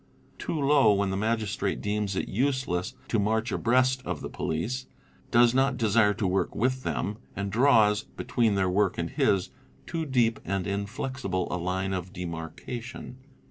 'Too low, when the Magistrate deems it useless to march abreast of the police, does not desire to work with them, and draws, between their work and his, too deep and inflexible a line of demarcation.